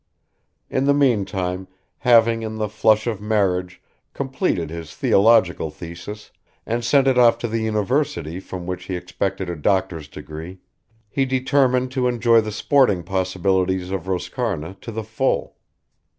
In the meantime, having, in the flush of marriage completed his theological thesis and sent it off to the university from which he expected a doctor's degree, he determined to enjoy the sporting possibilities of Roscarna to the full.